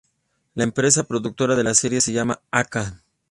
La empresa productora de la serie se llama a.k.a.